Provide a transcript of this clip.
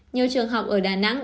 nhiều trường học ở đà nẵng